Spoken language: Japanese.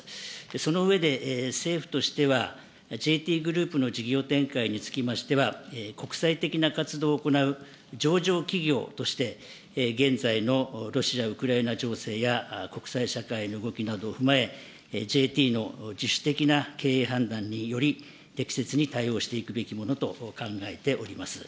その上で、政府としては、ＪＴグループの事業展開につきましては、国際的な活動を行う上場企業として、現在のロシア、ウクライナ情勢や国際社会の動きなどを踏まえ、ＪＴの自主的な経営判断により、適切に対応していくべきものと考えております。